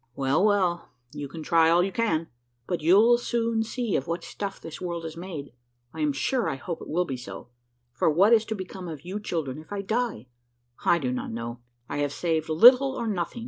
"Well, well, you can try all you can; but you'll soon see of what stuff this world is made; I am sure I hope it will be so, for what is to become of you children if I die, I do not know; I have saved little or nothing.